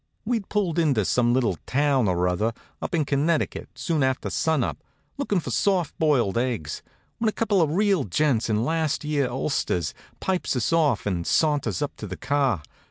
We'd pulled into some little town or other up in Connecticut soon after sun up, lookin' for soft boiled eggs, when a couple of real gents in last year ulsters pipes us off and saunters up to the car.